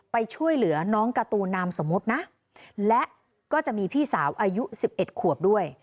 ไปช่วยเหลือน้องการ์ตูนามสมมุตินะและก็จะมีพี่สาวอายุ๑๑ขวบด้วย